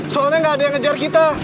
soalnya nggak ada yang ngejar kita